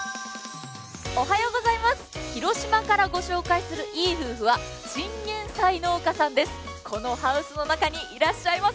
広島からご紹介するいい夫婦はチンゲンサイ農家さんです。